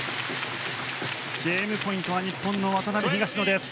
ゲームポイントは日本の渡辺、東野です。